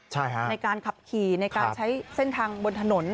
ใช่ค่ะในการขับขี่ในการใช้เส้นทางบนถนน